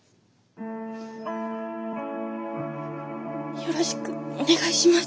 よろしくお願いします。